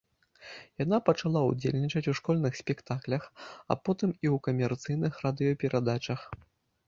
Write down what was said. Яна пачала ўдзельнічаць у школьных спектаклях, а потым і ў камерцыйных радыёперадачах.